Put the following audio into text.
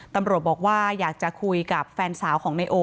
ตำรวจบอกว่าอยากจะคุยกับแฟนสาวของนายโอ